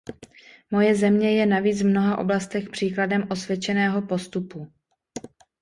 Moje země je navíc v mnoha oblastech příkladem osvědčeného postupu.